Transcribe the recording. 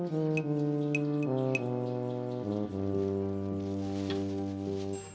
sampai jumpa lagi